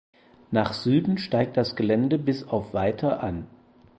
Nach Süden steigt das Gelände bis auf weiter an.